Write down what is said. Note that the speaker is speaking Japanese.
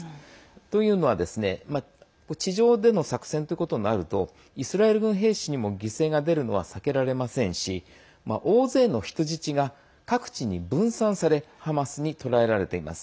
というのは、地上での作戦ということになるとイスラエル軍兵士にも犠牲が出るのは避けられませんし大勢の人質が各地に分散されハマスに捕らえられています。